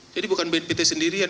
jadi bukan bnpt sendirian